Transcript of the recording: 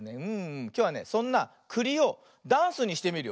きょうはねそんなくりをダンスにしてみるよ。